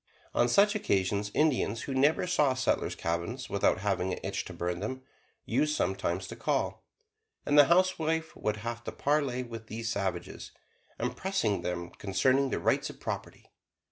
On such occasions, Indians who never saw settlers' cabins without having an itch to burn them, used sometimes to call, and the housewife would have to parley with these savages, "impressing them concerning the rights of property."